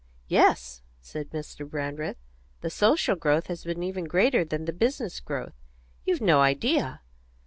"Yes," said Mr. Brandreth. "The social growth has been even greater than the business growth. You've no idea!